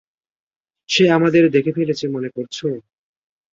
সে আমাদের দেখে ফেলেছে মনে করছ?